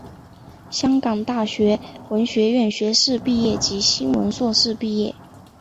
香港大学文学院学士毕业及新闻硕士毕业。